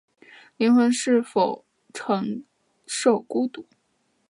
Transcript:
灵魂能否承受寂寞